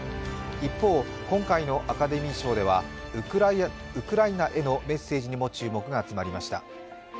一方、今回のアカデミー賞ではウクライナへのメッセージでも注目が集まりました。